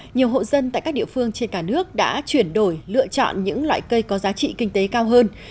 nhiều hộ dân tại các địa phương trên cả nước đã chuyển đổi lựa chọn những loại cây có giá trị kinh tế cao hơn